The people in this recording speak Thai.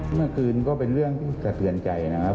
เมื่อคืนก็เป็นเรื่องที่สะเทือนใจนะครับ